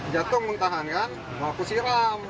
jatuh muntahan kan mau aku siram